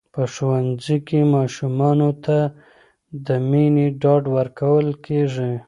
په ښوونځي کې ماشومانو ته د مینې ډاډ ورکول کېږي.